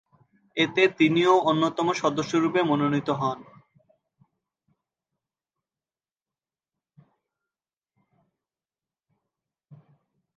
এতে তিনিও অন্যতম সদস্যরূপে মনোনীত হন।